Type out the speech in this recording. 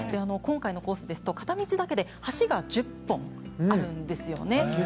今回のコースですと片道だけで橋が１０本あるんですよね。